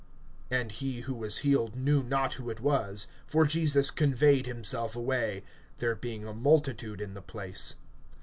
(13)And he who was healed knew not who it was; for Jesus conveyed himself away, there being a multitude in the place.